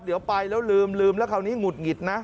เดี๋ยวไปแล้วลืมแล้วคราวนี้หงุดหงิดนะ